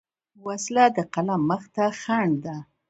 وسله د قلم مخ ته خنډ ده